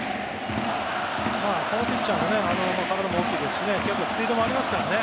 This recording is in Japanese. このピッチャーは体も大きいですし結構スピードもありますからね。